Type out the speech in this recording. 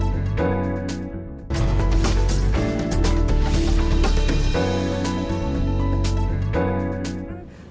apakah ini bisa dibereskan